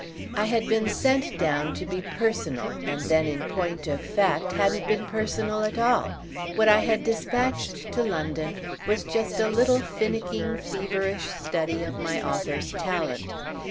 I had been sent down to be personal and then in point of fact hadn't been personal at all: what I had dispatched to London was just a little finicking feverish study of my author's talent.